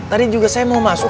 tadi juga saya mau masuk